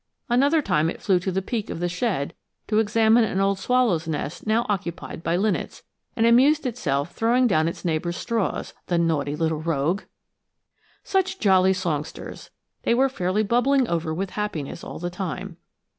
Another time it flew to the peak of the shed to examine an old swallow's nest now occupied by linnets, and amused itself throwing down its neighbors' straws the naughty little rogue! Such jolly songsters! They were fairly bubbling over with happiness all the time.